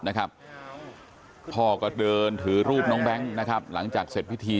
นะครับพ่อก็เดินถือรูปน้องแบงค์นะครับหลังจากเสร็จพิธี